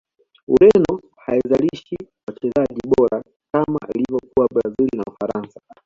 Ureno haizalishi wachezaji bora kama ilivyo kwa brazil na ufaransa